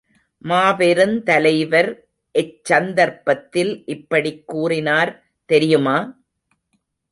மாபெருந் தலைவர் எச்சந்தர்ப்பத்தில் இப்படிக் கூறினார் தெரியுமா?